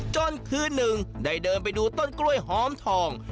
คืนหนึ่งได้เดินไปดูต้นกล้วยหอมทอง